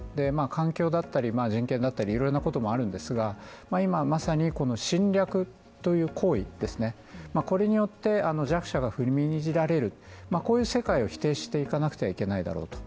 環境だったり人権だったりいろいろなことがあるんですが、今、まさに侵略という行為、これによって、弱者が踏みにじられる、こういう世界を否定していかなくてはいけないだろうと。